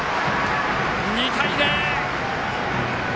２対０。